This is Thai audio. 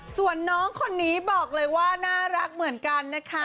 ส่วนน้องคนนี้บอกเลยว่าน่ารักเหมือนกันนะคะ